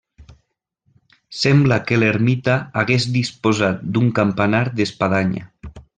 Sembla que l'ermita hagués disposat d'un campanar d'espadanya.